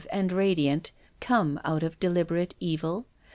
71 and radiant, come out of deliberate evil?